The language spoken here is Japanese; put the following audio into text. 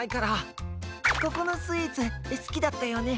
ここのスイーツすきだったよね？